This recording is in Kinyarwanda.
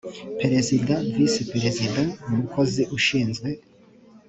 perezida visi perezida umukozi ushinzwe